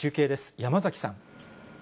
山崎さん。